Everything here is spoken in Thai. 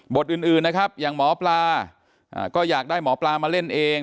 อื่นนะครับอย่างหมอปลาก็อยากได้หมอปลามาเล่นเอง